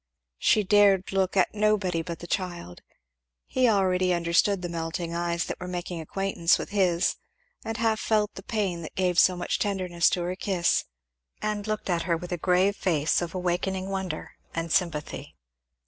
She dared look at nobody but the child. He already understood the melting eyes that were making acquaintance with his, and half felt the pain that gave so much tenderness to her kiss, and looked at her with a grave face of awakening wonder and sympathy.